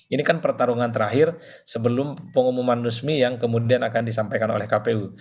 ini kan pertarungan terakhir sebelum pengumuman resmi yang kemudian akan disampaikan oleh kpu